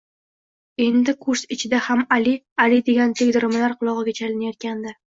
Endi kurs ichida ham Ali, Ali degan tegdirmalar qulog`iga chalinayotgandi